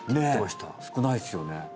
え少ないですよね